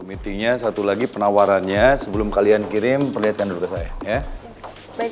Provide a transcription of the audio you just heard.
meetingnya satu lagi penawarannya sebelum kalian kirim perhatian dulu saya ya baik